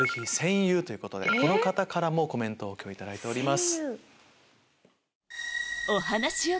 この方からもコメントを頂いております。